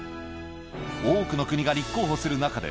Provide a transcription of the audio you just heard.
多くの国が立候補する中で、